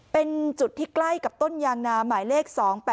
เป็นจุดที่ใกล้กับต้นยางนาหมายเลข๒๘๘